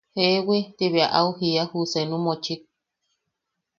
–Jeewi– Ti bea au jiía ju seenu mochik.